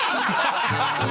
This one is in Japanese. ハハハハ！